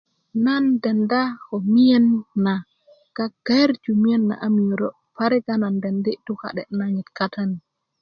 nan denda ko miyen na gagawerju mine na a miyörö parik a nan dendi tuka'de nanyit kata ni